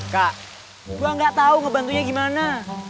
kak gue gak tau ngebantunya gimana